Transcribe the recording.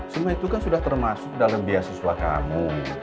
semua itu kan sudah termasuk dalam beasiswa kamu